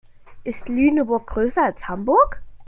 Ist Lüneburg größer als Hamburg?